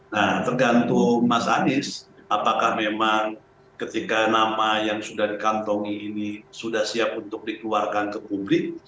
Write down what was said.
nah tergantung mas anies apakah memang ketika nama yang sudah dikantongi ini sudah siap untuk dikeluarkan ke publik